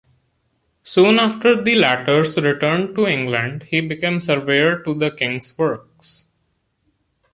Soon after the latter's return to England he became Surveyor to the King's Works.